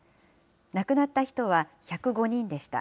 亡くなった人は１０５人でした。